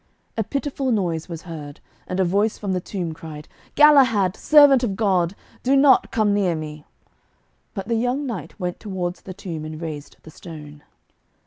A pitiful noise was heard, and a voice from the tomb cried, 'Galahad, servant of God, do not come near me.' But the young knight went towards the tomb and raised the stone.